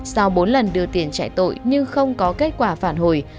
sau bốn lần đưa tiền chạy tội nhưng không có kết quả phản hồi